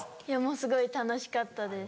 すごい楽しかったです。